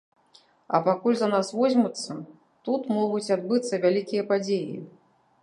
А пакуль за нас возьмуцца, тут могуць адбыцца вялікія падзеі.